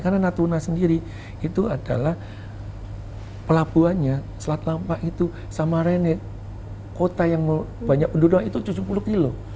karena natuna sendiri itu adalah pelabuhannya selat lampak itu sama renet kota yang banyak penduduk itu tujuh puluh kilo